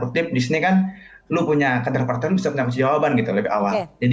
oke ini bagus banget nih ya mahasiswa berarti